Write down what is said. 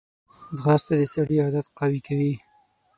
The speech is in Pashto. ځغاسته د سړي عادت قوي کوي